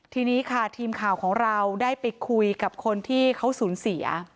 ทีนี้ค่ะทีมข่าวของเราได้ไปคุยกับคนที่เขาสูญเสีย